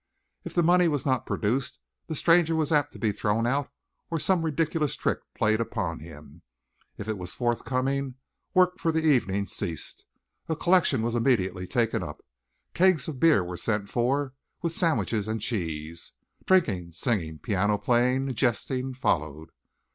If the money was not produced the stranger was apt to be thrown out or some ridiculous trick played upon him if it was forthcoming, work for the evening ceased. A collection was immediately taken up. Kegs of beer were sent for, with sandwiches and cheese. Drinking, singing, piano playing, jesting followed.